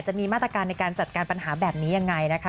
จะมีมาตรการในการจัดการปัญหาแบบนี้ยังไงนะคะ